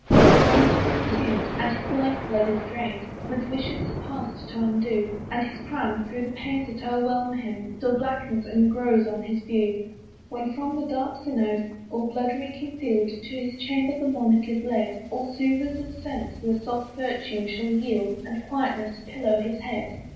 His bones are consumed, and his life blood is dried, With wishes the past to undo; And his crime, through the pains that o'erwhelm him, descried, Still blackens and grows on his view. When from the dark synod, or blood reeking field, To his chamber the monarch is led, All soothers of sense their soft virtue shall yield, And quietness pillow his head.